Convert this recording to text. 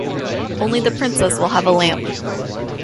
Only the Princess will have a lamp.